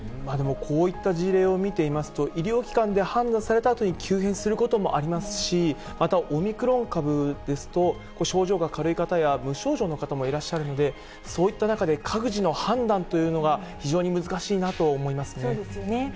でもこういった事例を見てみますと、医療機関で判断されたあとに急変することもありますし、オミクロン株ですと症状が軽い方や、無症状の方もいらっしゃるので、そういった中で各自の判断というのが非常に難しいなと思いますね。